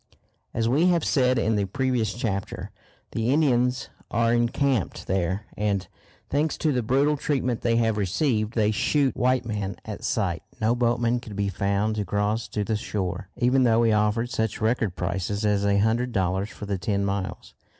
As we have said in the previous chapter, the Indians are encamped there, and, thanks to the brutal treatment they have received, they shoot white men at sight. No boatman could be found to cross to the shore, even though we offered such record prices as a hundred dollars for the ten miles.